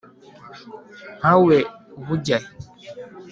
nka we uba ujya he